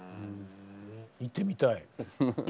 行ってみたい。